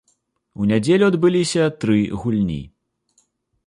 У нядзелю адбыліся тры гульні.